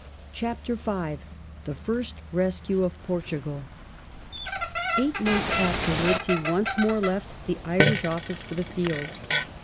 CHAPTEE V THE FIRST RESCUE OF PORTUGAL Eight months afterwards he once more left the Irish Office for the field.